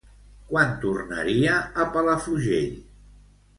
Quan tornaria a Palafrugell?